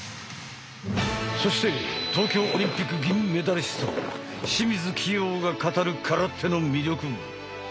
そして東京オリンピック銀メダリスト清水希容が語る空手の魅力。